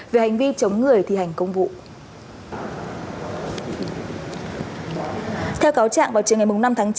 về hành vi chống người thi hành công vụ